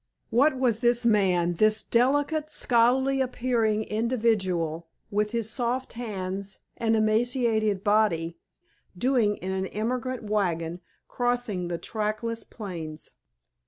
What was this man—this delicate, scholarly appearing individual with his soft hands and emaciated body—doing in an emigrant wagon crossing the trackless plains?